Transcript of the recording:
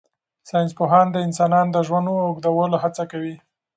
ساینس پوهان د انسانانو د ژوند اوږدولو هڅه کوي.